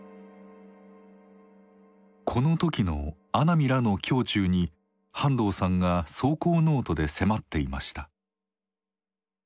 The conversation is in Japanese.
この時の阿南らの胸中に半藤さんが草稿ノートで迫っていました。